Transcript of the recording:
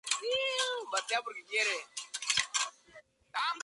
La más grande de estas figuras mide alrededor de cincuenta metros de longitud.